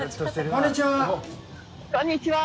こんにちは！